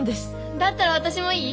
だったら私もいい？